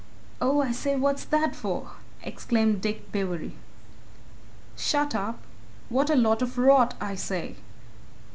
"Oh, I say, what's that for?" exclaimed Dick Bewery. "Shut up? what a lot of rot! I say!